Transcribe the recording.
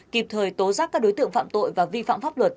kịp thời tố giác các đối tượng phạm tội và vi phạm pháp luật